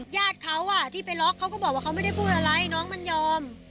ญาติเขาที่ไปล็อกเขาก็บอกว่าเขาไม่ได้พูดอะไรน้องมันยอม